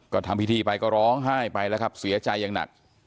ก็ทำพิธีไปก็ร้องไห้ไปแล้วครับเสียใจอย่างหนัก